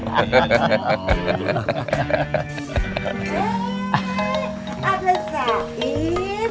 eh ada sain